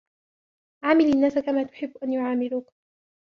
عامل الناس كما تحب أن يعاملوك